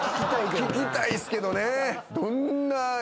聞きたいっすけどね。